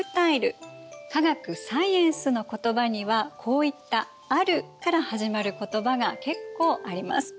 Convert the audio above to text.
科学サイエンスの言葉にはこういったアルから始まる言葉が結構あります。